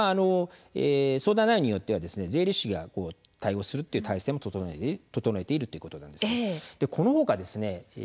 相談内容によっては税理士が対応するという態勢も取っているということです。